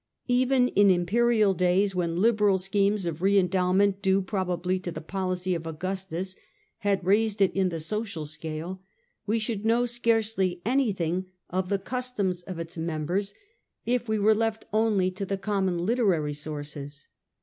Even in imperial days, when liberal schemes of re endowment, due probably to the policy of Augustus, had raised it in the social scale, we should know scarcely anything of the customs of its 152 The Age of the Antonims^, cn. vii members if we were left only to the common literary sources.